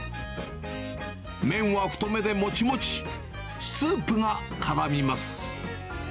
麺は太めでもちもち、スープがからみます。